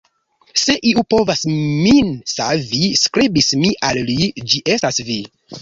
"Se iu povas min savi, skribis mi al li, ĝi estas vi."